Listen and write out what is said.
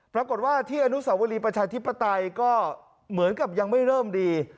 ปรากฏว่าที่อนุสาวรีประชาธิปไตยก็เหมือนกับยังไม่เริ่มดี